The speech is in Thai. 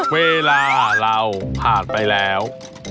เวลาเราผ่านไปแล้ว